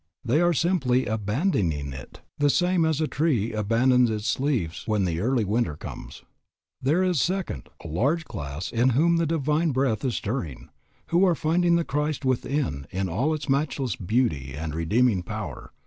They are simply abandoning it, the same as a tree abandons its leaves when the early winter comes. There is, second, a large class in whom the Divine Breath is stirring, who are finding the Christ within in all its matchless beauty and redeeming power.